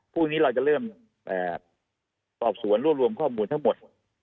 พรุ่งนี้เราจะเริ่มสอบสวนรวบรวมข้อมูลทั้งหมด